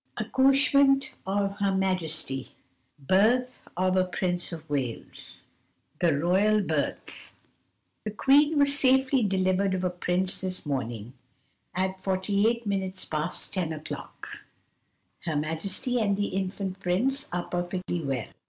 ACCOUCHEMENT OF HER MAJESTY. Birth of a Prince of Wales. THE ROYAL BIRTH. "The Queen was safely delivered of a Prince this morning at 48 minutes past 10 o'clock. "Her Majesty and the Infant Prince are perfectly well.